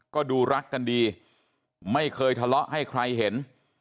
ก็ดูรักกันดีไม่เคยทะเลาะให้ใครเห็น